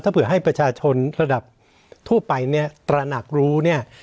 ถ้าเผื่อให้ประชาชนระดับทั่วไปเนี่ยตระหนักรู้เนี่ย